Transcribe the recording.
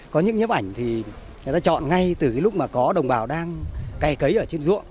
có những nhiếp ảnh thì người ta chọn ngay từ lúc mà có đồng bào đang cây cấy ở trên ruộng